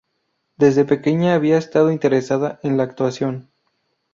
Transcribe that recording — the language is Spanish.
Desde pequeña había estado interesada en la actuación.